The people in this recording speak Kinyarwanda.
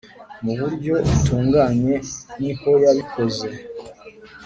Mu buryo butunganye nihoyabikoze.